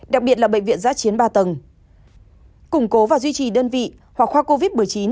đặc biệt là bệnh viện giã chiến ba tầng củng cố và duy trì đơn vị hoặc khoa covid một mươi chín